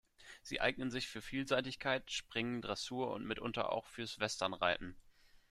Sie eignen sich für Vielseitigkeit, Springen, Dressur und mitunter auch fürs Westernreiten.